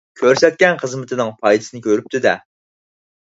كۆرسەتكەن خىزمىتىنىڭ پايدىسىنى كۆرۈپتۇ-دە.